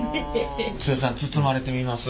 剛さん包まれてみます？